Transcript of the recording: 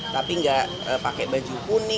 tapi nggak pakai baju kuning